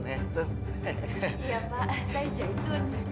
iya pak saya jaitun